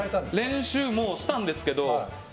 練習もしたんですけど。